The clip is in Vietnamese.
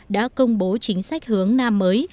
đã công bố chính sách hướng nam mới